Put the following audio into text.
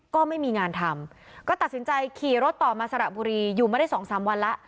ก็ไม่มีงานทำก็ตัดสินใจขี่รถต่อมาสระบุรีอยู่มาได้สองสามวันแล้ว